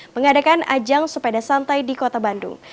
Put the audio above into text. mengadakan ajang sepeda santai di kota bandung